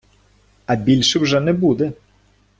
а більше вже не буде